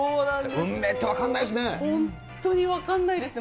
運命って分かんないですね。